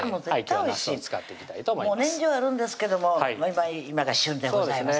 年中あるんですけども今が旬でございます